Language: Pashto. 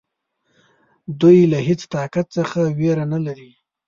دوی له هیڅ طاقت څخه وېره نه لري.